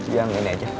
yang ini aja